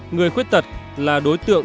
người khuyết tật là đối tượng